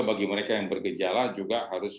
bagi mereka yang bergejala juga harus